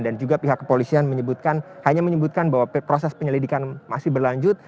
dan juga pihak kepolisian hanya menyebutkan bahwa proses penyelidikan masih berlanjut